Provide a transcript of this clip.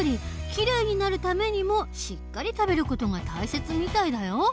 きれいになるためにもしっかり食べる事が大切みたいだよ。